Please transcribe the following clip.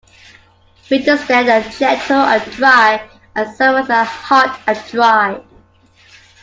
Winters there are gentle and dry, and summers are hot and dry.